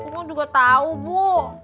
mak uwo juga tahu bu